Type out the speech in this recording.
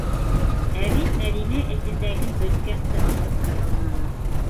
Ә бит Мәҙинә эсендәген бөткәнсе асып та һалманы.